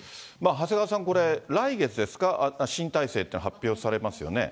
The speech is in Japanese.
長谷川さん、これ、来月ですか、新体制って発表されますよね。